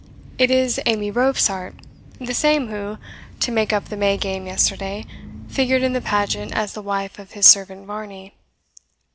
It is Amy Robsart, the same who, to make up the May game yesterday, figured in the pageant as the wife of his servant Varney."